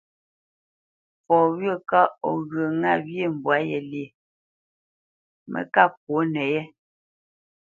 Fɔ wyə̂ kaʼ o ghyə ŋâ wyê mbwǎ yé lyê mə́ ká ŋkwǒ nəyé.